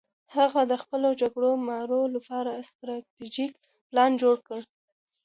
هغه د خپلو جګړه مارو لپاره ستراتیژیک پلان جوړ کړ.